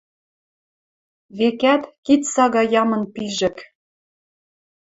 Векӓт, кид сага ямын пижӹк.